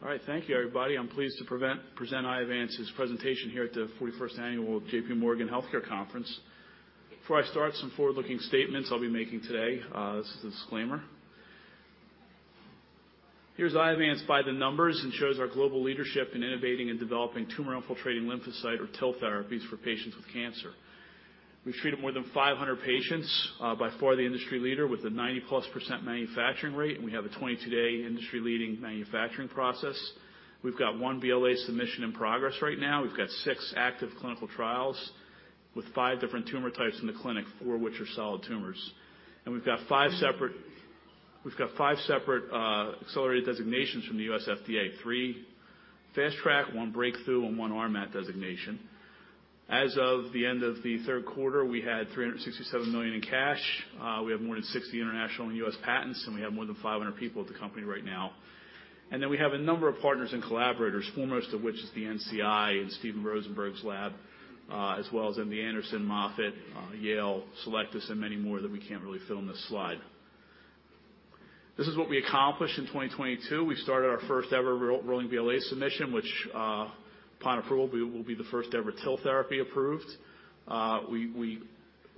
All right. Thank you, everybody. I'm pleased to present Iovance's presentation here at the 41st Annual J.P. Morgan Healthcare Conference. Before I start, some forward-looking statements I'll be making today, as a disclaimer. Here's Iovance by the numbers. It shows our global leadership in innovating and developing tumor-infiltrating lymphocyte or TIL therapies for patients with cancer. We've treated more than 500 patients, by far the industry leader with a 90%+ manufacturing rate, and we have a 22-day industry-leading manufacturing process. We've got 1 BLA submission in progress right now. We've got six active clinical trials with five different tumor types in the clinic, four which are solid tumors. We've got five separate accelerated designations from the U.S. FDA, 3 Fast Track, 1 Breakthrough, and 1 RMAT designation. As of the end of the third quarter, we had $367 million in cash. We have more than 60 international and U.S. patents, and we have more than 500 people at the company right now. We have a number of partners and collaborators, foremost of which is the NCI and Steven Rosenberg's lab, as well as MD Anderson, Moffitt, Yale, Selecta, and many more that we can't really fit on this slide. This is what we accomplished in 2022. We started our first-ever rolling BLA submission, which, upon approval will be the first-ever TIL therapy approved. We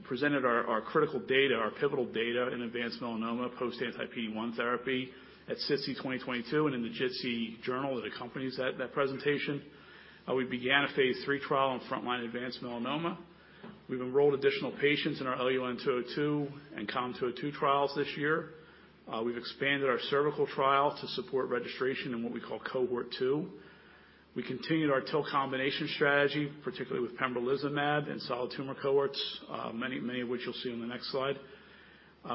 presented our critical data, our pivotal data in advanced melanoma post-anti-PD-1 therapy at SITC 2022 and in the JITC Journal that accompanies that presentation. We began a phase III trial in frontline advanced melanoma. We've enrolled additional patients in our IOV-LUN-202 and IOV-COM-202 trials this year. We've expanded our cervical trial to support registration in what we call Cohort Two. We continued our TIL combination strategy, particularly with pembrolizumab and solid tumor cohorts, many of which you'll see on the next slide.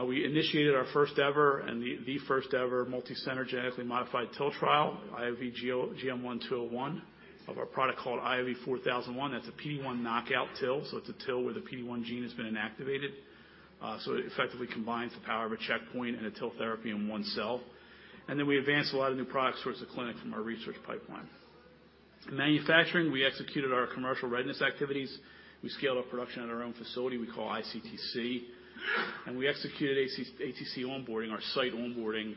We initiated our first ever the first-ever multi-center genetically modified TIL trial, IOV-GM1-201 of our product called IOV-4001. That's a PD-1 knockout TIL, so it's a TIL where the PD-1 gene has been inactivated. So it effectively combines the power of a checkpoint and a TIL therapy in one cell. We advanced a lot of new products towards the clinic from our research pipeline. In manufacturing, we executed our commercial readiness activities. We scaled our production at our own facility we call iCTC, and we executed ATC onboarding, our site onboarding.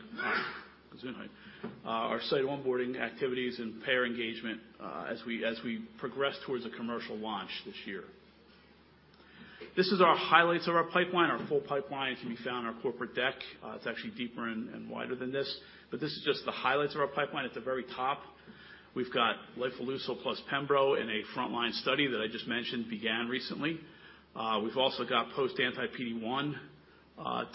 Excuse me. Our site onboarding activities and payer engagement, as we progress towards a commercial launch this year. This is our highlights of our pipeline. Our full pipeline can be found in our corporate deck. It's actually deeper and wider than this, but this is just the highlights of our pipeline. At the very top, we've got Lifileucel plus pembro in a frontline study that I just mentioned began recently. We've also got post anti-PD-1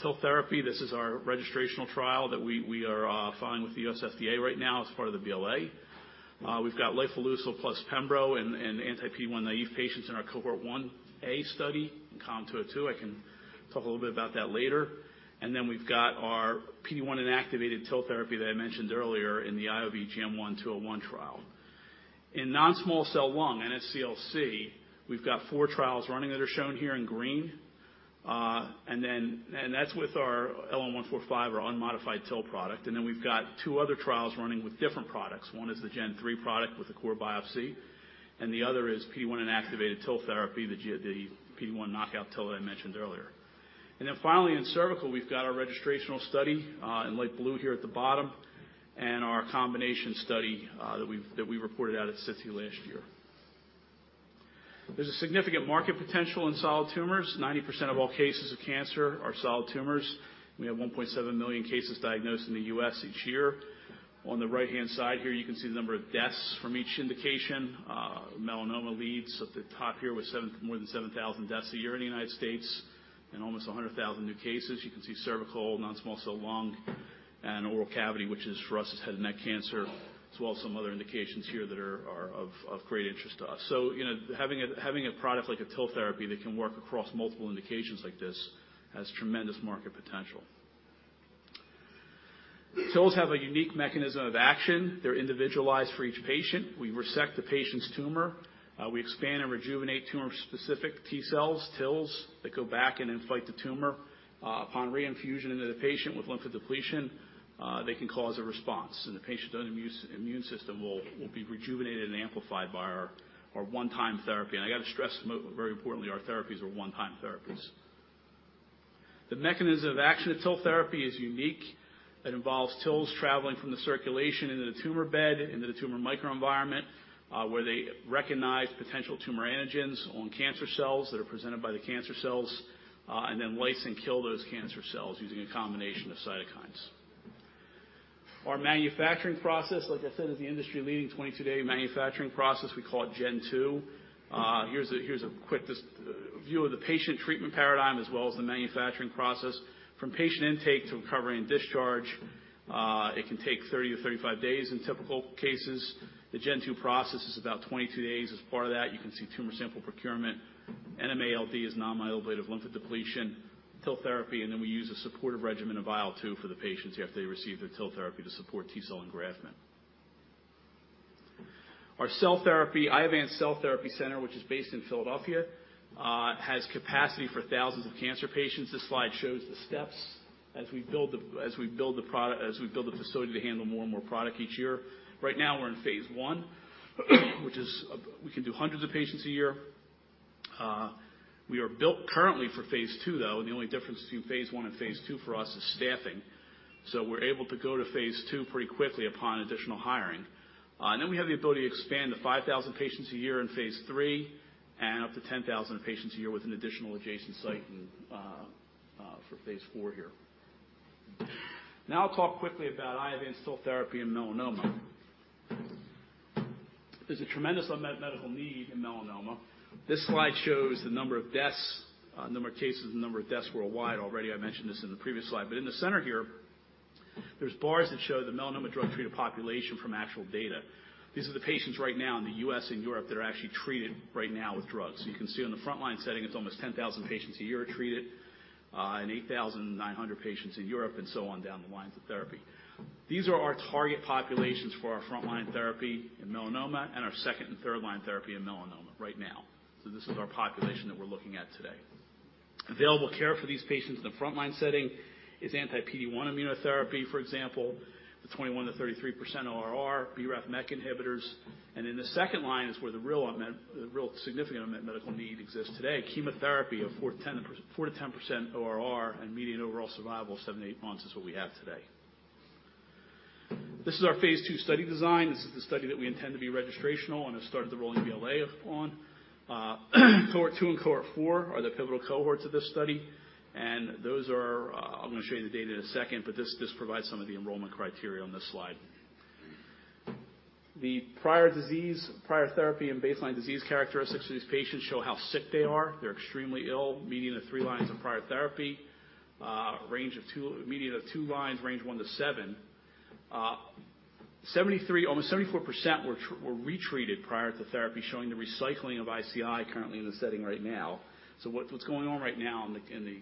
TIL therapy. This is our registrational trial that we are filing with the U.S. FDA right now as part of the BLA. We've got Lifileucel plus pembro and anti-PD-1 naive patients in our Cohort One A study in IOV-COM-202. I can talk a little bit about that later. Then we've got our PD-1 inactivated TIL therapy that I mentioned earlier in the IOV-GM1-201 trial. In non-small cell lung, NSCLC, we've got 4 trials running that are shown here in green. And that's with our LN-145 or unmodified TIL product. Then we've got two other trials running with different products. One is the Gen 3 product with a core biopsy, and the other is PD-1 inactivated TIL therapy, the PD-1 knockout TIL that I mentioned earlier. Finally, in cervical, we've got our registrational study, in light blue here at the bottom, and our combination study, that we've, that we reported out at SITC last year. There's a significant market potential in solid tumors. 90% of all cases of cancer are solid tumors. We have 1.7 million cases diagnosed in the U.S. each year. On the right-hand side here, you can see the number of deaths from each indication. Melanoma leads at the top here with more than 7,000 deaths a year in the United States and almost 100,000 new cases. You can see cervical, non-small cell lung, and oral cavity, which is for us is head and neck cancer, as well as some other indications here that are of great interest to us. You know, having a product like a TIL therapy that can work across multiple indications like this has tremendous market potential. TILs have a unique mechanism of action. They're individualized for each patient. We resect the patient's tumor. We expand and rejuvenate tumor-specific T-cells, TILS, that go back and inflate the tumor. Upon reinfusion into the patient with lymphodepletion, they can cause a response, and the patient's own immune system will be rejuvenated and amplified by our one-time therapy. I gotta stress very importantly, our therapies are one-time therapies. The mechanism of action of TIL therapy is unique. It involves TILS traveling from the circulation into the tumor bed, into the tumor microenvironment, where they recognize potential tumor antigens on cancer cells that are presented by the cancer cells, and then lyse and kill those cancer cells using a combination of cytokines. Our manufacturing process, like I said, is the industry-leading 22-day manufacturing process. We call it Gen 2. Here's a, here's a quick view of the patient treatment paradigm as well as the manufacturing process. From patient intake to recovery and discharge, it can take 30 to 35 days in typical cases. The Gen 2 process is about 22 days. As part of that, you can see tumor sample procurement. NMA-LD is non-myeloablative lymphodepletion, TIL therapy, and then we use a supportive regimen of IL-2 for the patients after they receive their TIL therapy to support T-cell engraftment. Our cell therapy, Iovance Cell Therapy Center, which is based in Philadelphia, has capacity for thousands of cancer patients. This slide shows the steps as we build the facility to handle more and more product each year. Right now, we're in phase I, which is, we can do hundreds of patients a year. We are built currently for phase II, though, and the only difference between phase I and phase II for us is staffing. We're able to go to phase II pretty quickly upon additional hiring. Then we have the ability to expand to 5,000 patients a year in phase III and up to 10,000 patients a year with an additional adjacent site and for phase IV here. I'll talk quickly about TIL therapy in melanoma. There's a tremendous unmet medical need in melanoma. This slide shows the number of deaths, number of cases, the number of deaths worldwide. I mentioned this in the previous slide, but in the center here, there's bars that show the melanoma drug-treated population from actual data. These are the patients right now in the U.S. and Europe that are actually treated right now with drugs. You can see on the front line setting, it's almost 10,000 patients a year are treated, and 8,900 patients in Europe, and so on down the lines of therapy. These are our target populations for our front-line therapy in melanoma and our second and third-line therapy in melanoma right now. This is our population that we're looking at today. Available care for these patients in the front-line setting is anti-PD-1 immunotherapy, for example, the 21%-33% ORR, BRAF/MEK inhibitors. In the second line is where the real significant unmet medical need exists today. Chemotherapy of 4%-10% ORR and median overall survival of 7-8 months is what we have today. This is our phase II study design. This is the study that we intend to be registrational and have started the rolling BLA upon. Cohort Two and Cohort Four are the pivotal cohorts of this study, and those are, I'm gonna show you the data in a second, but this provides some of the enrollment criteria on this slide. The prior disease, prior therapy, and baseline disease characteristics for these patients show how sick they are. They're extremely ill, median of three lines of prior therapy, median of two lines, range 1-7. Almost 74% were retreated prior to therapy, showing the recycling of ICI currently in the setting right now. What's going on right now in the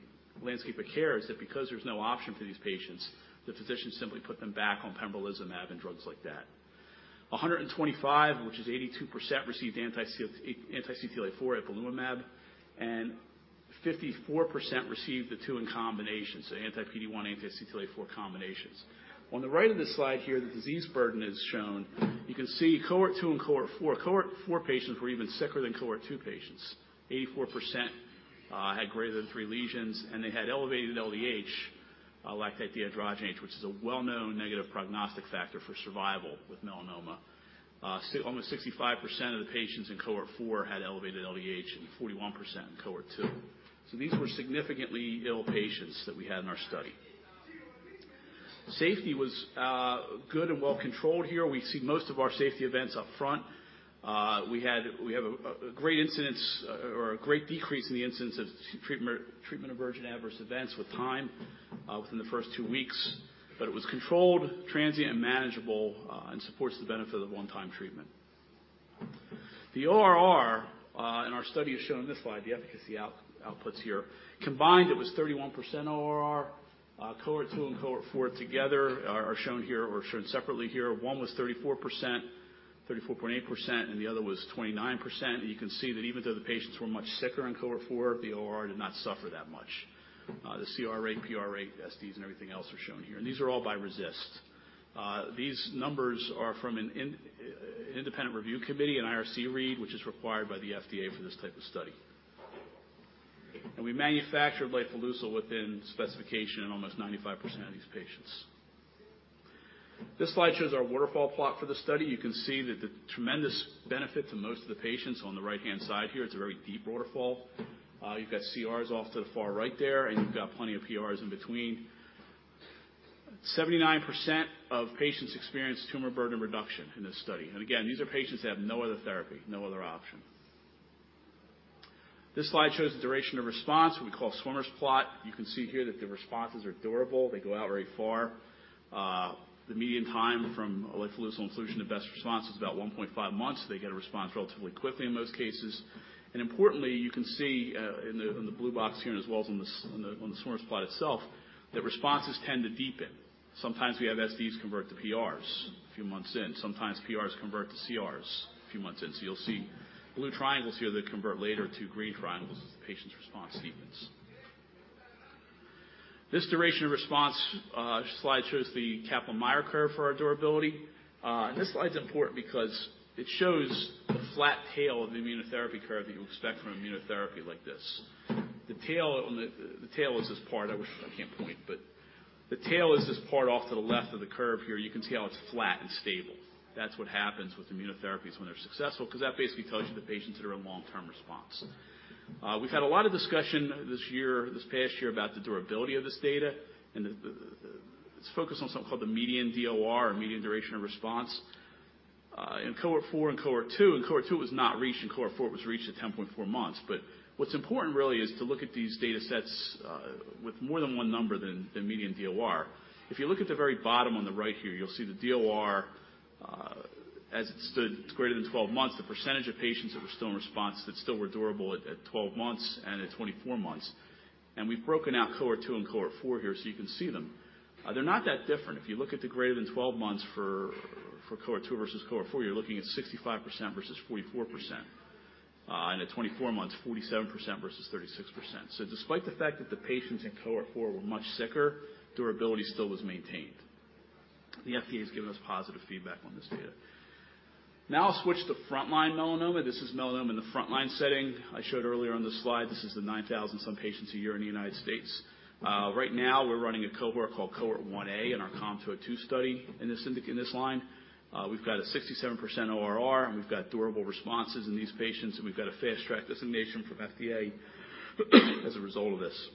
landscape of care is that because there's no option for these patients, the physicians simply put them back on pembrolizumab and drugs like that. 125, which is 82%, received anti-CTLA-4 ipilimumab, and 54% received the two in combination, so anti-PD-1, anti-CTLA-4 combinations. On the right of this slide here, the disease burden is shown. You can see Cohort Two and Cohort Four. Cohort Four patients were even sicker than Cohort Two patients. 84% had greater than three lesions, and they had elevated LDH, lactate dehydrogenase, which is a well-known negative prognostic factor for survival with melanoma. Almost 65% of the patients in Cohort Four had elevated LDH and 41% in Cohort Two. These were significantly ill patients that we had in our study. Safety was good and well controlled here. We see most of our safety events up front. We have a great incidence or a great decrease in the incidence of treatment-emergent adverse events with time, within the first two weeks. It was controlled, transient, and manageable, and supports the benefit of one-time treatment. The ORR in our study is shown in this slide, the efficacy outputs here. Combined, it was 31% ORR. Cohort Two and Cohort Four together are shown here or shown separately here. One was 34%, 34.8%, and the other was 29%. You can see that even though the patients were much sicker in Cohort Four, the ORR did not suffer that much. The CR rate, PR rate, SDs, and everything else are shown here. These are all by RECIST. These numbers are from an independent review committee, an IRC read, which is required by the FDA for this type of study. We manufactured Lifileucel within specification in almost 95% of these patients. This slide shows our waterfall plot for the study. You can see that the tremendous benefit to most of the patients on the right-hand side here. It's a very deep waterfall. You've got CRs off to the far right there, and you've got plenty of PRs in between. 79% of patients experienced tumor burden reduction in this study. Again, these are patients that have no other therapy, no other option. This slide shows the duration of response we call swimmer's plot. You can see here that the responses are durable. They go out very far. The median time from Lifileucel infusion to best response is about 1.5 months. They get a response relatively quickly in most cases. Importantly, you can see in the blue box here and as well as on the swimmer's plot itself, that responses tend to deepen. Sometimes we have SDs convert to PRs a few months in. Sometimes PRs convert to CRs a few months in. You'll see blue triangles here that convert later to green triangles as the patient's response deepens. This duration of response slide shows the Kaplan-Meier curve for our durability. This slide's important because it shows the flat tail of the immunotherapy curve that you expect from immunotherapy like this. The tail is this part. I wish... I can't point, but the tail is this part off to the left of the curve here. You can see how it's flat and stable. That's what happens with immunotherapies when they're successful because that basically tells you the patients that are in long-term response. We've had a lot of discussion this year, this past year, about the durability of this data and the Let's focus on something called the median DOR, median duration of response. In Cohort 4 and Cohort 2. In Cohort 2, it was not reached. In Cohort 4, it was reached at 10.4 months. What's important really is to look at these data sets with more than one number than median DOR. If you look at the very bottom on the right here, you'll see the DOR, as it stood, it's greater than 12 months, the percentage of patients that were still in response that still were durable at 12 months and at 24 months. We've broken out Cohort Two and Cohort Four here so you can see them. They're not that different. If you look at the greater than 12 months for Cohort Two versus Cohort Four, you're looking at 65% versus 44%. At 24 months, 47% versus 36%. Despite the fact that the patients in Cohort Four were much sicker, durability still was maintained. The FDA has given us positive feedback on this data. I'll switch to frontline melanoma. This is melanoma in the frontline setting. I showed earlier on this slide, this is the 9,000 some patients a year in the United States. Right now we're running a cohort called Cohort One A in our IOV-COM-202 study in this line. We've got a 67% ORR, we've got durable responses in these patients, we've got a Fast Track designation from FDA as a result of this.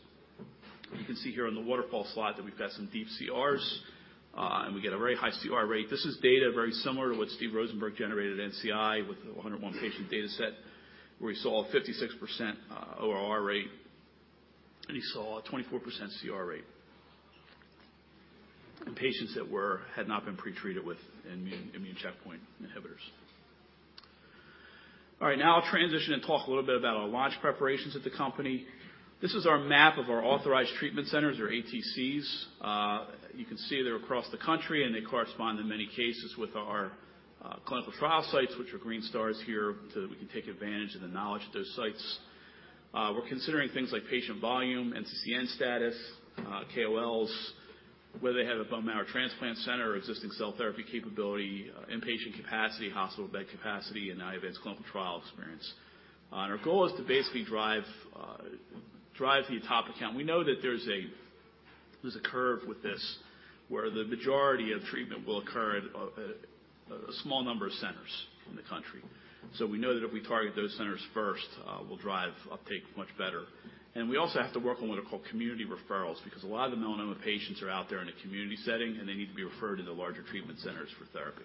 You can see here on the waterfall slide that we've got some deep CRs, we get a very high CR rate. This is data very similar to what Steven Rosenberg generated National Cancer Institute with the 101 patient data set, where we saw a 56% ORR rate, he saw a 24% CR rate in patients that had not been pre-treated with immune checkpoint inhibitors. All right, now I'll transition and talk a little bit about our launch preparations at the company. This is our map of our Authorized Treatment Centers or ATCs. You can see they're across the country, and they correspond in many cases with our clinical trial sites, which are green stars here, so that we can take advantage of the knowledge of those sites. We're considering things like patient volume, NCCN status, KOLs, whether they have a bone marrow transplant center or existing cell therapy capability, inpatient capacity, hospital bed capacity, and Iovance clinical trial experience. Our goal is to basically drive the top account. We know that there's a curve with this, where the majority of treatment will occur at a small number of centers in the country. We know that if we target those centers first, we'll drive uptake much better. We also have to work on what are called community referrals, because a lot of the melanoma patients are out there in a community setting, and they need to be referred to the larger treatment centers for therapy.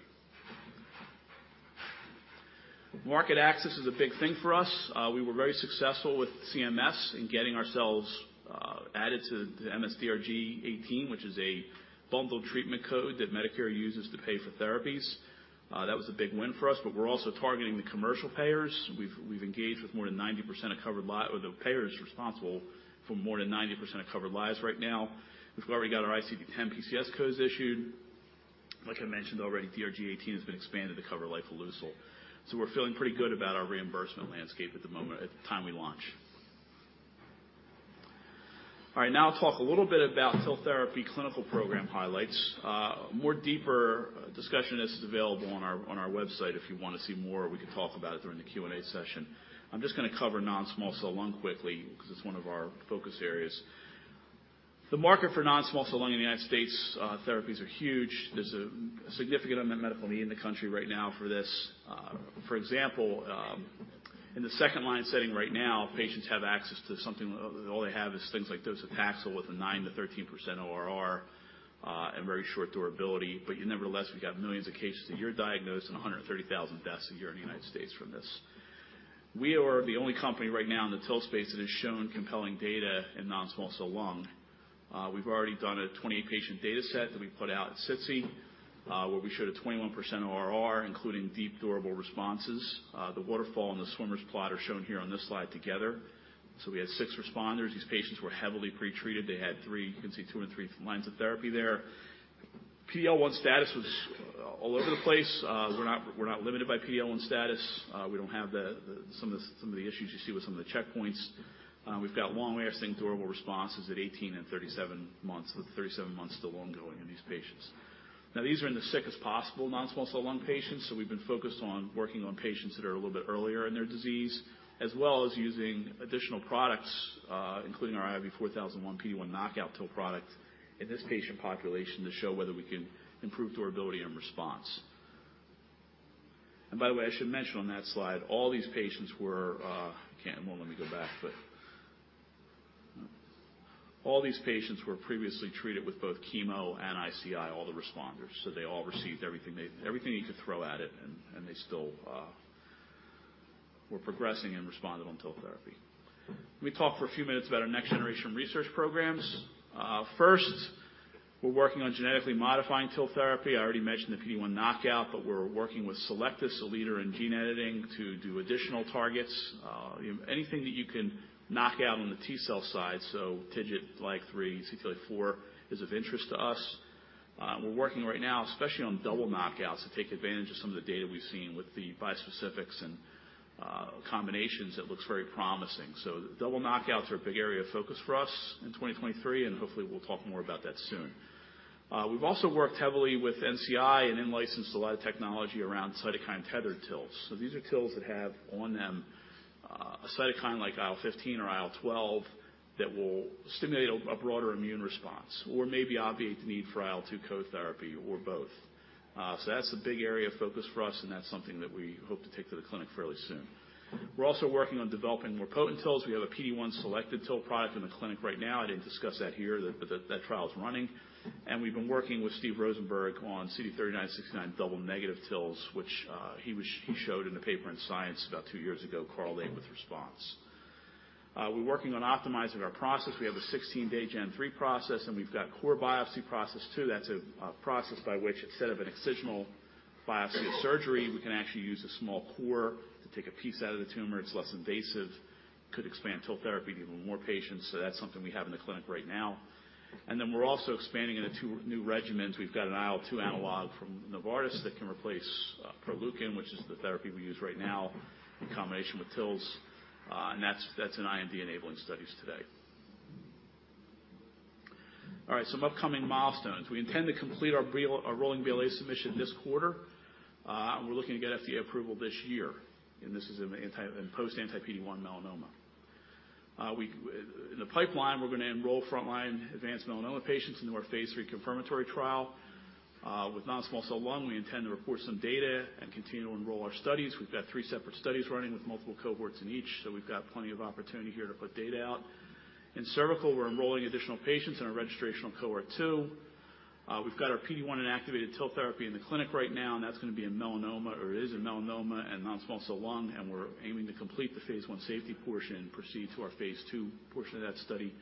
Market access is a big thing for us. We were very successful with CMS in getting ourselves added to the MS-DRG 18, which is a bundled treatment code that Medicare uses to pay for therapies. That was a big win for us, we're also targeting the commercial payers. We've engaged with more than 90% of covered or the payers responsible for more than 90% of covered lives right now. We've already got our ICD-10-PCS codes issued. Like I mentioned already, DRG 18 has been expanded to cover Lifileucel. We're feeling pretty good about our reimbursement landscape at the time we launch. All right, now I'll talk a little bit about TIL therapy clinical program highlights. More deeper discussion is available on our website. If you wanna see more, we can talk about it during the Q&A session. I'm just gonna cover non-small cell lung quickly because it's one of our focus areas. The market for non-small cell lung in the United States, therapies are huge. There's a significant unmet medical need in the country right now for this. For example, in the second line setting right now, patients have access to something, all they have is things like docetaxel with a 9%-13% ORR and very short durability. Nevertheless, we've got millions of cases a year diagnosed and 130,000 deaths a year in the United States from this. We are the only company right now in the TIL space that has shown compelling data in non-small cell lung. We've already done a 28-patient data set that we put out at SITC, where we showed a 21% ORR, including deep durable responses. The waterfall and the swimmers plot are shown here on this slide together. So we had 6 responders. These patients were heavily pre-treated. They had 3... you can see 2 and 3 lines of therapy there. PD-L1 status was all over the place. We're not, we're not limited by PD-L1 status. We don't have the, some of the, some of the issues you see with some of the checkpoints. We've got long-lasting durable responses at 18 and 37 months, with the 37 months still ongoing in these patients. Now, these are in the sickest possible non-small cell lung patients, so we've been focused on working on patients that are a little bit earlier in their disease, as well as using additional products, including our IOV-4001 P1 knockout TIL product in this patient population to show whether we can improve durability and response. By the way, I should mention on that slide, all these patients were previously treated with both chemo and ICI, all the responders. They all received everything you could throw at it, and they still were progressing and responded on TIL therapy. Let me talk for a few minutes about our next generation research programs. First, we're working on genetically modifying TIL therapy. I already mentioned the PD-1 knockout, but we're working with Selecta Biosciences, a leader in gene editing, to do additional targets. You know, anything that you can knock out on the T cell side, so TIGIT, LAG-3, CTLA-4 is of interest to us. We're working right now, especially on double knockouts to take advantage of some of the data we've seen with the bispecifics and combinations that looks very promising. Double knockouts are a big area of focus for us in 2023, and hopefully we'll talk more about that soon. We've also worked heavily with NCI and in-licensed a lot of technology around cytokine-tethered TILs. These are TILs that have on them, a cytokine like IL-15 or IL-12 that will stimulate a broader immune response or maybe obviate the need for IL-2 code therapy or both. That's a big area of focus for us, and that's something that we hope to take to the clinic fairly soon. We're also working on developing more potent TILs. We have a PD-1 selected TIL product in the clinic right now. I didn't discuss that here, but that trial is running. We've been working with Steve Rosenberg on CD39, 69 double negative TILs, which he showed in the paper in Science about 2 years ago, correlated with response. We're working on optimizing our process. We have a 16-day Gen 3 process, and we've got core biopsy process too. That's a process by which instead of an excisional biopsy or surgery, we can actually use a small core to take a piece out of the tumor. It's less invasive, could expand TIL therapy to even more patients. That's something we have in the clinic right now. We're also expanding into two new regimens. We've got an IL-2 analog from Novartis that can replace Proleukin, which is the therapy we use right now in combination with TILs. That's in IND-enabling studies today. Some upcoming milestones. We intend to complete our BLA rolling BLA submission this quarter. We're looking to get FDA approval this year, and this is in post anti-PD-1 melanoma. We in the pipeline, we're gonna enroll frontline advanced melanoma patients into our phase III confirmatory trial. With non-small cell lung, we intend to report some data and continue to enroll our three studies. We've got three separate studies running with multiple cohorts in each, so we've got plenty of opportunity here to put data out. In cervical, we're enrolling additional patients in our registrational Cohort Two. We've got our PD-1 inactivated TIL therapy in the clinic right now, and that's gonna be in melanoma or is in melanoma and non-small cell lung, and we're aiming to complete the phase I safety portion and proceed to our phase II portion of that study.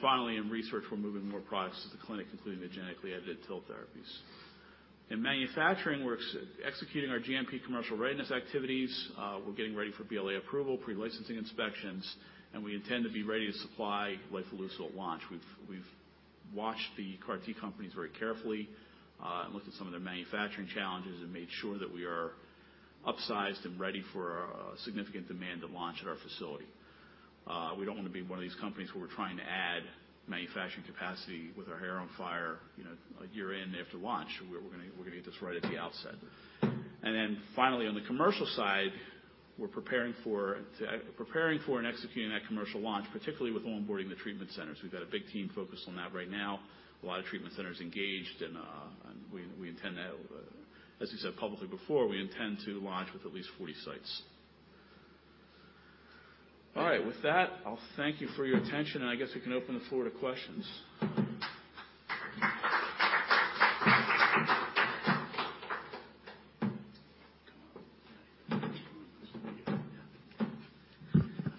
Finally, in research, we're moving more products to the clinic, including the genetically edited TIL therapies. In manufacturing, we're executing our GMP commercial readiness activities. We're getting ready for BLA approval, pre-licensing inspections, and we intend to be ready to supply Lifileucel at launch. We've watched the CAR T companies very carefully and looked at some of their manufacturing challenges and made sure that we are upsized and ready for significant demand at launch at our facility. We don't wanna be one of these companies who are trying to add manufacturing capacity with our hair on fire, you know, a year in after launch. We're gonna get this right at the outset. And then finally, on the commercial side, we're preparing for and executing that commercial launch, particularly with onboarding the treatment centers. We've got a big team focused on that right now. A lot of treatment centers engaged and we intend to, as we said publicly before, we intend to launch with at least 40 sites. All right. With that, I'll thank you for your attention, and I guess we can open the floor to questions.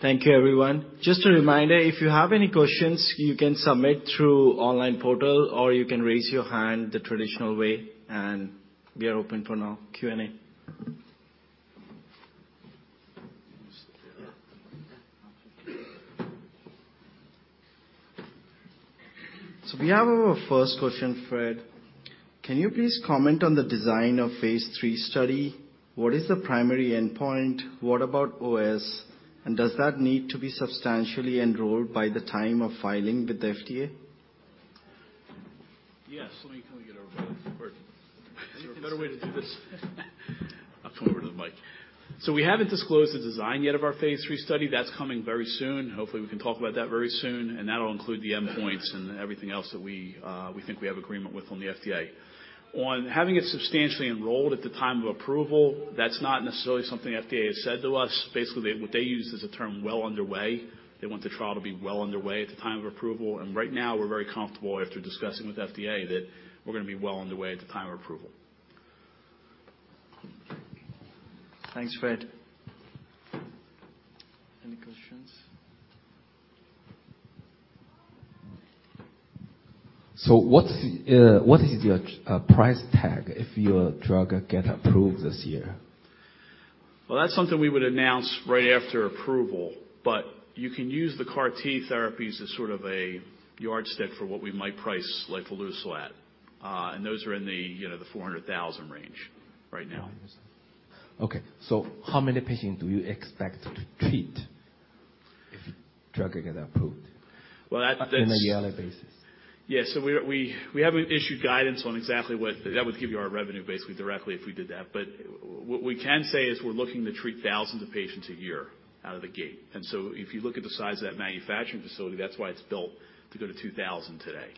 Thank you, everyone. Just a reminder, if you have any questions, you can submit through online portal, or you can raise your hand the traditional way. We are open for now Q&A. We have our first question, Fred. Can you please comment on the design of phase III study? What is the primary endpoint? What about OS? Does that need to be substantially enrolled by the time of filing with the FDA? Yes. Let me kinda get over to this part. Is there a better way to do this? I'll come over to the mic. We haven't disclosed the design yet of our phase III study. That's coming very soon. Hopefully, we can talk about that very soon, and that'll include the endpoints and everything else that we think we have agreement with on the FDA. On having it substantially enrolled at the time of approval, that's not necessarily something FDA has said to us. Basically, what they used is the term well underway. They want the trial to be well underway at the time of approval. Right now we're very comfortable after discussing with FDA that we're gonna be well underway at the time of approval. Thanks, Fred. Any questions? What is your price tag if your drug get approved this year? That's something we would announce right after approval, but you can use the CAR T therapies as sort of a yardstick for what we might price Lifileucel at. Those are in the, you know, the $400,000 range right now. Okay. how many patients do you expect to treat if drug will get approved? Well, that's. on a yearly basis? Yes. We haven't issued guidance on exactly what. That would give you our revenue basically directly if we did that. What we can say is we're looking to treat thousands of patients a year out of the gate. If you look at the size of that manufacturing facility, that's why it's built to go to 2,000 today.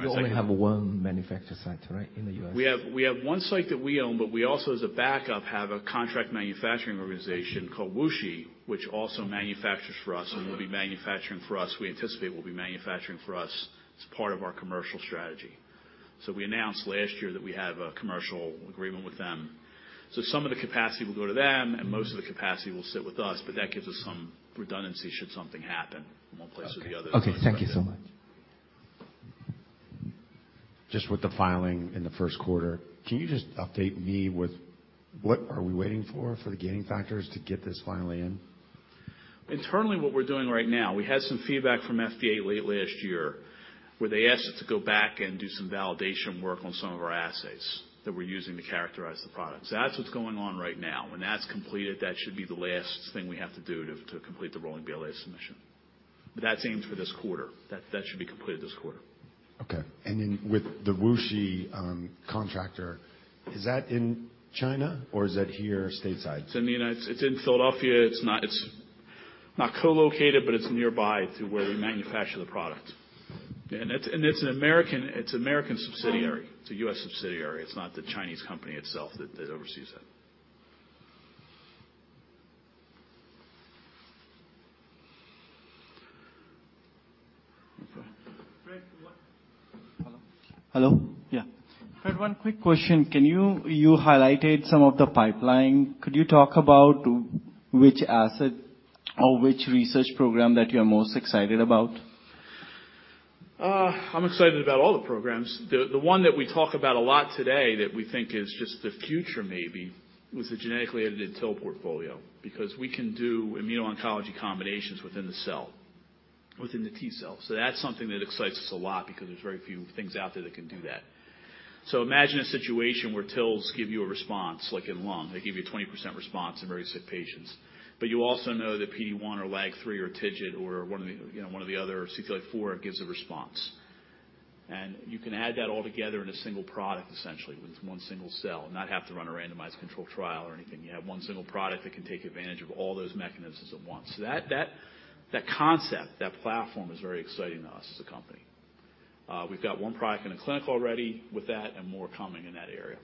You only have one manufacturing site, right, in the U.S.? We have one site that we own, but we also as a backup, have a contract manufacturing organization called WuXi, which also manufactures for us and will be manufacturing for us. We anticipate will be manufacturing for us as part of our commercial strategy. We announced last year that we have a commercial agreement with them. Some of the capacity will go to them, and most of the capacity will sit with us, but that gives us some redundancy should something happen in one place or the other. Okay. Thank you so much. Just with the filing in the first quarter, can you just update me with what are we waiting for the gaining factors to get this finally in? Internally, what we're doing right now, we had some feedback from FDA late last year, where they asked us to go back and do some validation work on some of our assays that we're using to characterize the products. That's what's going on right now. When that's completed, that should be the last thing we have to do to complete the rolling BLA submission. That's aimed for this quarter. That should be completed this quarter. Okay. With the WuXi, contractor, is that in China or is that here stateside? It's in Philadelphia. It's not co-located, but it's nearby to where we manufacture the product. It's an American subsidiary. It's a U.S. subsidiary. It's not the Chinese company itself that oversees that. Okay. Hello? Hello. Yeah. Fred, one quick question. You highlighted some of the pipeline. Could you talk about which asset or which research program that you're most excited about? I'm excited about all the programs. The one that we talk about a lot today that we think is just the future maybe was the genetically edited TIL portfolio, because we can do immuno-oncology combinations within the cell, within the T cell. That's something that excites us a lot because there's very few things out there that can do that. Imagine a situation where TILs give you a response, like in lung, they give you 20% response in very sick patients, but you also know that PD-1 or LAG-3 or TIGIT or one of the, you know, one of the other, CTLA-4 gives a response. You can add that all together in a single product, essentially, with one single cell and not have to run a randomized control trial or anything. You have one single product that can take advantage of all those mechanisms at once. That concept, that platform is very exciting to us as a company. We've got one product in a clinical already with that and more coming in that area.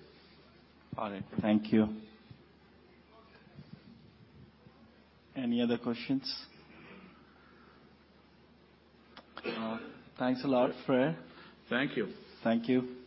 Got it. Thank you. Any other questions? Thanks a lot, Fred. Thank you. Thank you.